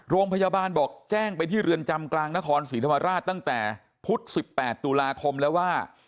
โรงพยาบาลบอกแจ้งไปที่เรือนจำกลางนครศรีธรรมราชตั้งแต่พุธ๑๘ตุลาคมแล้วว่า